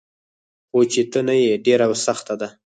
خو چي ته نه يي ډيره سخته ده